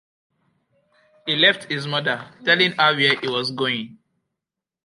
He left his mother, telling her where he was going.